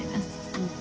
うん。